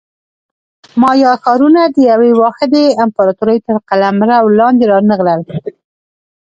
مایا ښارونه د یوې واحدې امپراتورۍ تر قلمرو لاندې رانغلل.